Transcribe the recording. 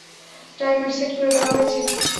Timer set করে দেওয়া হয়েছে।